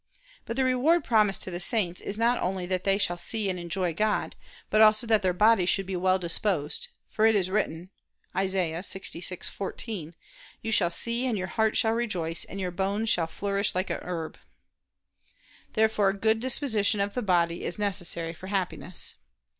But the reward promised to the saints is not only that they shall see and enjoy God, but also that their bodies shall be well disposed; for it is written (Isa. 66:14): "You shall see and your heart shall rejoice, and your bones shall flourish like a herb." Therefore good disposition of the body is necessary for Happiness.